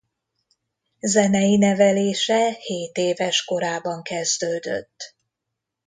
Zenei nevelése hétéves korában kezdődött.